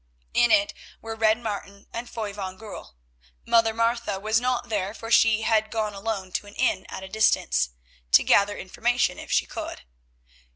In it were Red Martin and Foy van Goorl. Mother Martha was not there for she had gone alone to an inn at a distance, to gather information if she could.